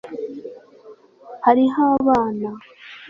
hariho abana